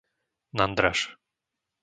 Nandraž